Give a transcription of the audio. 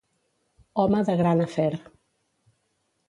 Home de gran afer.